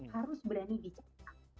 harus berani dicatat